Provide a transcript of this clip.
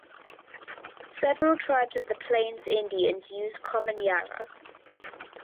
Several tribes of the Plains Indians used common yarrow.